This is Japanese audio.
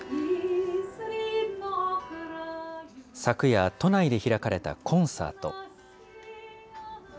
昨夜、都内で開かれたコンサート。